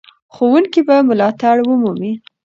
ښوونکي به ملاتړ ومومي.